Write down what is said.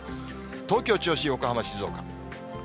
東京、銚子、横浜、静岡。